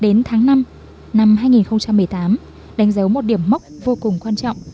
đến tháng năm năm hai nghìn một mươi tám đánh dấu một điểm mốc vô cùng quan trọng